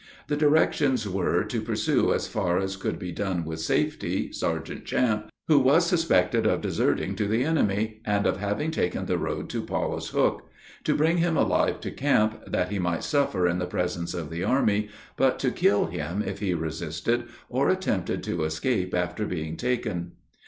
The directions were, to pursue as far as could be done with safety, Sergeant Champe, who was suspected of deserting to the enemy, and of having taken the road to Paulus Hook; to bring him alive to camp, that he might suffer in the presence of the army, but to kill him if he resisted or attempted to escape after being taken.